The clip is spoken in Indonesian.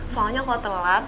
soalnya kalo telat